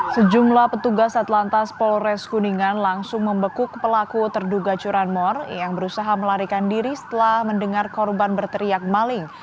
sejumlah petugas atlantas polres kuningan langsung membekuk pelaku terduga curanmor yang berusaha melarikan diri setelah mendengar korban berteriak maling